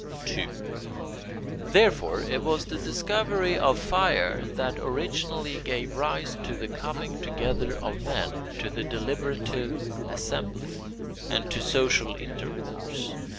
2. Therefore it was the discovery of fire that originally gave rise to the coming together of men, to the deliberative assembly, and to social intercourse.